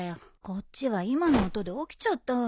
こっちは今の音で起きちゃったわよ。